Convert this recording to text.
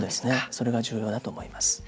それが重要だと思います。